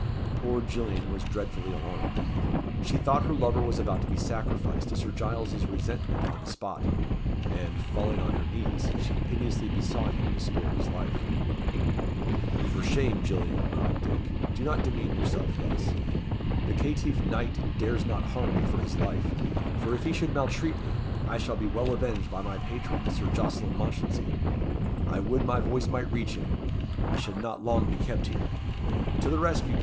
Poor Gillian was dreadfully alarmed. She thought her lover was about to be sacrificed to Sir Giles's resentment on the spot; and, falling on her knees, she piteously besought him to spare his life. "For shame, Gillian," cried Dick; "do not demean yourself thus. The caitiff knight dares not harm me for his life; and if he should maltreat me, I shall be well avenged by my patron, Sir Jocelyn Mounchensey. I would my voice might reach him I should not long be kept here. To the rescue!